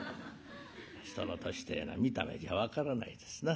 人の年てえのは見た目じゃ分からないですな。